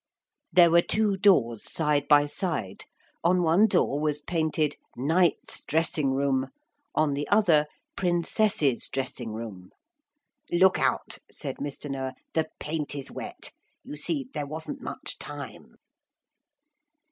There were two doors side by side. On one door was painted 'Knight's dressing room,' on the other 'Princess's dressing room.' 'Look out,' said Mr. Noah; 'the paint is wet. You see there wasn't much time.'